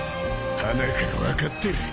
はなから分かってる。